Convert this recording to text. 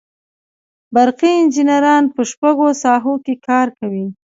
برقي انجینران په شپږو ساحو کې کار کوي.